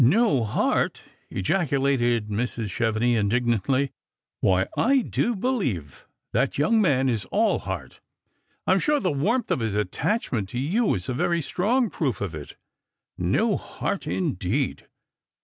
" No heart! " ejaculated Mrs. Chevenix indignantly, "why, I do beheve that young man is all heart. I'm sure the warmth of his attachment to you is a very strong proof of it. _ ISTo heart, indeed.